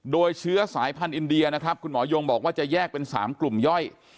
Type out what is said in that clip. โดยเชื้อสายพันธุอินเดียนะครับคุณหมอยงบอกว่าจะแยกเป็น๓กลุ่มย่อย